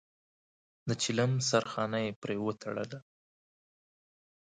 د چيلم سرخانه يې پرې وتړله.